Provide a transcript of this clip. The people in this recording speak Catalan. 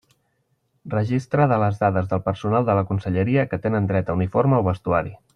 Registre de les dades del personal de la conselleria que tenen dret a uniforme o vestuari.